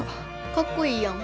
かっこいいやん。